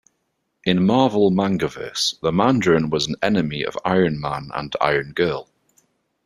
In Marvel Mangaverse The Mandarin was an enemy of Iron Man and Iron Girl.